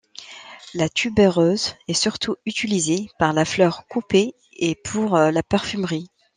La tubéreuse est surtout utilisée pour la fleur coupée et pour la parfumerie.